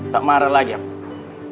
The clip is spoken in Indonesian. tak marah lagi apa